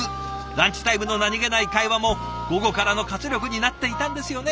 ランチタイムの何気ない会話も午後からの活力になっていたんですよね。